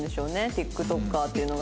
ＴｉｋＴｏｋｅｒっていうのが。